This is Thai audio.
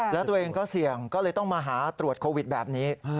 แล้วตัวเองก็เสี่ยงก็เลยต้องมาหาตรวจโควิดแบบนี้